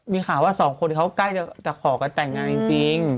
มีข่าวว่าสองคนเขาใกล้จะขอกันแต่งงานจริง